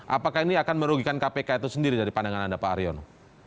apakah ini akan merugikan kpk itu sendiri dari pandangan anda pak aryono